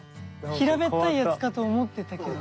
平べったいやつかと思ってたけど。